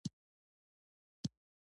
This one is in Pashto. ځینې محصلین د شعر یا هنر لوري ته ځي.